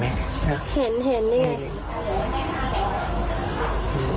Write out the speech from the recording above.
เห็นนี่